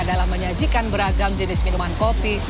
dalam menyajikan beragam jenis minuman kopi